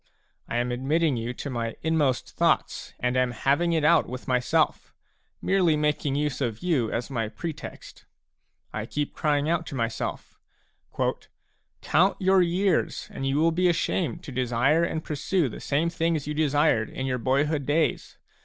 I am admitting you to my inmost thoughts, and am having it out with myself, merely making use of you as my pretext. I keep crying out to myself :" Count your years, and you will be ashamed to desire and pursue the same things you desired in your boyhood days.